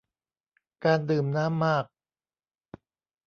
การดื่มน้ำมาก